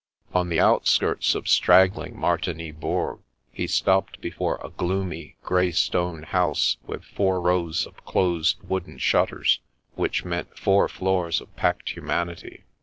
On the outskirts of straggling Martigny Bourg, he stopped before a gloomy, grey stone house with four rows of closed wooden shutters, which meant four floors of packed humanity.